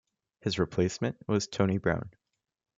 His replacement was Toni Brown.